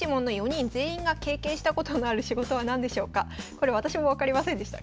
これ私も分かりませんでした。